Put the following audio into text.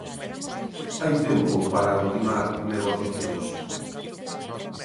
Hai tempo para ultimar negociacións.